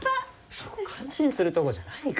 そこ感心するとこじゃないから。